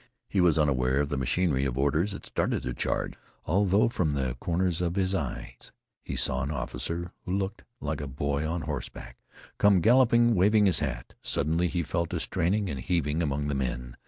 He was unaware of the machinery of orders that started the charge, although from the corners of his eyes he saw an officer, who looked like a boy a horseback, come galloping, waving his hat. Suddenly he felt a straining and heaving among the men.